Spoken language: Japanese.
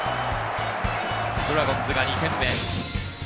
ドラゴンズが２点目。